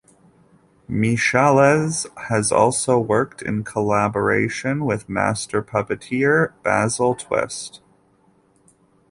Michahelles has also worked in collaboration with master puppeteer Basil Twist.